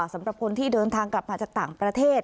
สำหรับคนที่เดินทางกลับมาจากต่างประเทศ